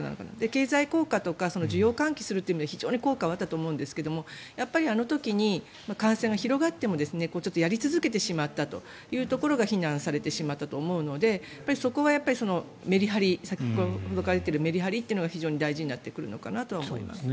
経済効果とか需要喚起するということは効果があったと思うんですがあの時に、感染が広がってもやり続けてしまったというところが非難されてしまったと思うのでそこはメリハリ先ほどから言っているメリハリが非常に大事になってくるのかなと思います。